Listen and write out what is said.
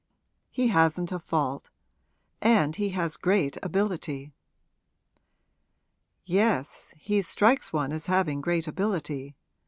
He hasn't a fault. And he has great ability.' 'Yes; he strikes one as having great ability.